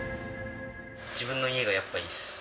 自分の家がやっぱりいいです。